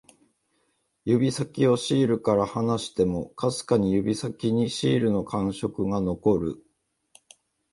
指先をシールから離しても、かすかに指先にシールの感触が残る